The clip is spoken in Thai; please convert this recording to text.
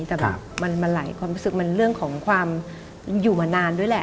แต่มันหลายความรู้สึกมันเรื่องของความอยู่มานานด้วยแหละ